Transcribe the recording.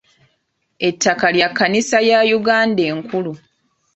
Ettaka lya Kkanisa ya Uganda enkulu.